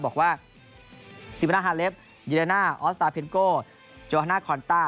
บอกว่าซิบนาฮาเลฟดิเดน่าออสตาเพนโก้โจฮาน่าคอนต้า